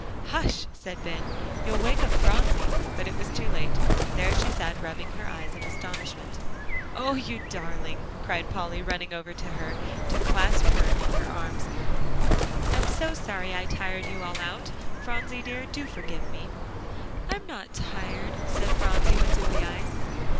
"Hush!" said Ben, "you'll wake up Phronsie," but it was too late; there she sat rubbing her eyes in astonishment. "Oh! you darling," cried Polly, running over to her, to clasp her in her arms, "I'm so sorry I tired you all out, Phronsie dear, do forgive me." "I'm not tired," said Phronsie, with dewy eyes.